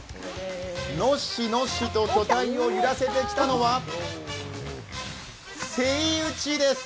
のっしのっしと巨体を揺らせてきたのはセイウチです。